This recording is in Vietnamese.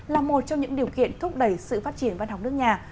là một trong những điều kiện thúc đẩy sự phát triển văn học nước nhà